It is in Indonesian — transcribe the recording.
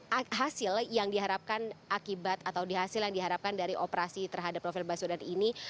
nah hasil yang diharapkan akibat atau dihasil yang diharapkan dari operasi terhadap novel baswedan ini